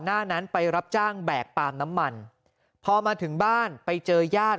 หน้านั้นไปรับจ้างแบกปาล์มน้ำมันพอมาถึงบ้านไปเจอญาติ